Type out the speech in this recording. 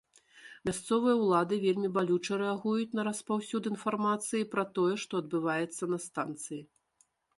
Мясцовыя ўлады вельмі балюча рэагуюць на распаўсюд інфармацыі пра тое, што адбываецца на станцыі.